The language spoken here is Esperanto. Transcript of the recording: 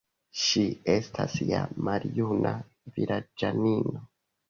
Ŝi estas ja maljuna vilaĝanino.